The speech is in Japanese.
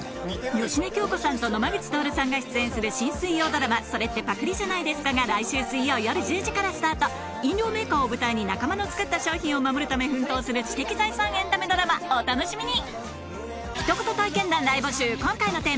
芳根京子さんと野間口徹さんが出演する新水曜ドラマ『それってパクリじゃないですか？』が来週水曜夜１０時からスタート飲料メーカーを舞台に仲間の作った商品を守るため奮闘する知的財産エンタメドラマお楽しみに！